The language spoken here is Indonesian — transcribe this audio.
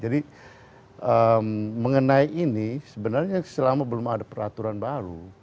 jadi mengenai ini sebenarnya selama belum ada peraturan baru